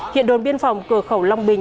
hiện đồn biên phòng cửa khẩu long bình